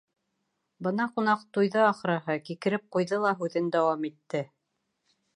Бына ҡунаҡ туйҙы, ахырыһы, кикереп ҡуйҙы ла, һүҙен дауам итте: